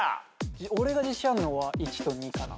俺が自信あるのは１と２かな。